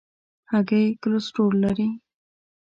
هګۍ کولیسټرول لري.